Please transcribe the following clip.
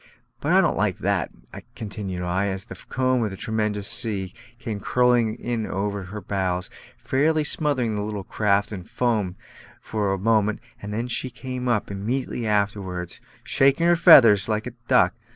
But I don't like that" continued I, as the comb of a tremendous sea came curling in over our bows, fairly smothering the little craft in foam for a moment, though she came up immediately afterwards, "shaking her feathers" like a duck.